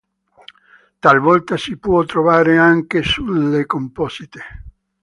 Talvolta si può trovare anche sulle composite.